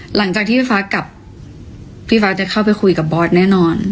หลังจากที่พี่ฟ้ากับพี่ฟ้าจะเข้าไปคุยกับบอสแน่นอน